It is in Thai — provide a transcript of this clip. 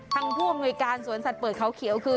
ทางท่วงไว้การศรสัตว์เปิดเขาเขียวคือ